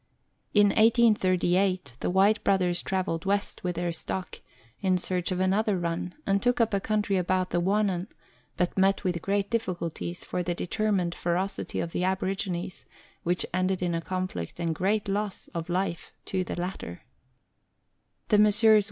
In 1838, the Whyte Brothers travelled west, with their stock, in search of another run, and took up a country about the Wannon, but met with great difficulties from the deter mined ferocity of the aborigines, which ended in a conflict and great loss of life to the latter, 6 Letters from Victorian Pioneers. The Messrs.